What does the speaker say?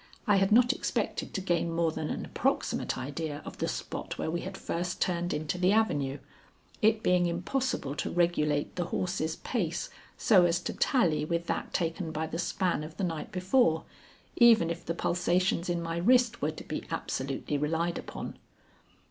I had not expected to gain more than an approximate idea of the spot where we had first turned into the avenue, it being impossible to regulate the horses' pace so as to tally with that taken by the span of the night before, even if the pulsations in my wrist were to be absolutely relied upon.